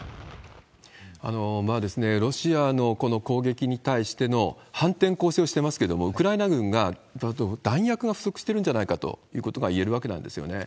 ロシアのこの攻撃に対しての反転攻勢をしてますけれども、ウクライナ軍が弾薬が不足してるんじゃないかということがいえるわけなんですよね。